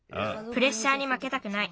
プレッシャーにまけたくない。